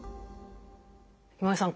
今井さん